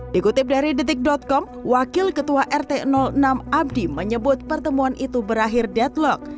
dikutip dari detik com wakil ketua rt enam abdi menyebut pertemuan itu berakhir deadlock